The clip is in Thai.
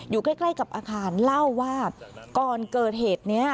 อยู่ใกล้ใกล้กับอาคารเล่าว่าก่อนเกิดเหตุนี้